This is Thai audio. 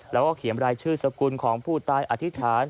แล้วก็เขียนรายชื่อสกุลของผู้ตายอธิษฐาน